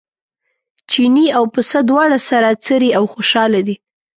چیني او پسه دواړه سره څري او خوشاله دي.